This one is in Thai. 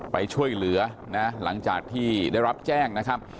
ไปช่วยเหลือนะหลังจากที่ได้รับแจ้งนะครับ